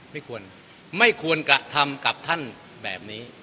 ไม่ควรไม่ควรกระทำกับท่านแบบนี้